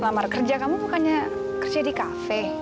lamar kerja kamu bukannya kerja di kafe